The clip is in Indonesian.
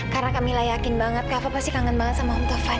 karena kamila yakin banget kava pasti kangen banget sama om taufan